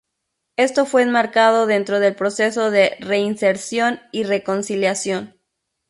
Esto fue enmarcado dentro del proceso de reinserción y reconciliación.